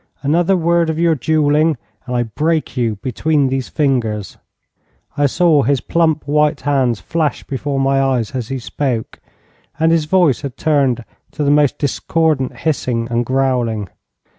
Another word of your duelling, and I break you between these fingers.' I saw his plump white hands flash before my eyes as he spoke, and his voice had turned to the most discordant hissing and growling.